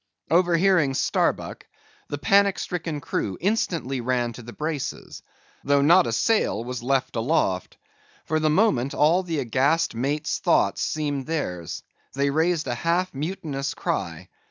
Overhearing Starbuck, the panic stricken crew instantly ran to the braces—though not a sail was left aloft. For the moment all the aghast mate's thoughts seemed theirs; they raised a half mutinous cry.